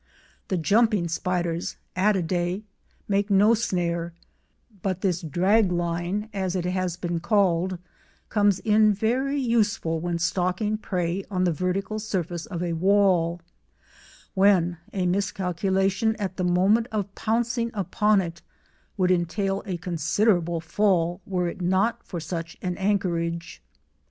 The jumping spiders (Attidae) make no snare, but this "drag line" as it has been called comes in very useful when stalking prey on the vertical surface of a wall, when a miscalculation at the moment of pouncing upon it would entail a considerable fall were it not for such an anchorage.